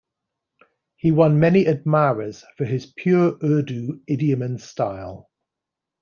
He won many admirers for his pure Urdu idiom and style.